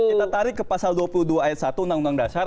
kita tarik ke pasal dua puluh dua ayat satu undang undang dasar